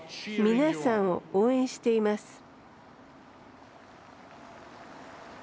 皆さんを応援しています。